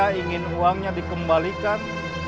saya ingin uangnya dikembalikan